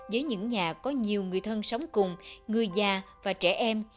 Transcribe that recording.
với những nhà có nhiều người thân sống cùng người già và trẻ em